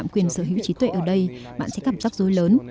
quyền sở hữu trí tuệ ở đây bạn sẽ gặp rắc rối lớn